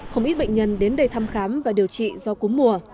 không ít bệnh nhân đến đây thăm khám và điều trị do cúm mùa